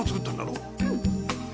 うん。